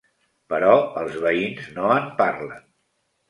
Però els veïns no en parlen.